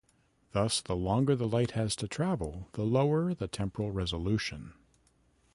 Thus, the longer the light has to travel, the lower the temporal resolution.